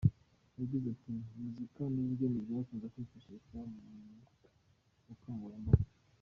Yagize ati “Muzika n’ubugeni byakunze kwifashishwa mu bukangurambaga.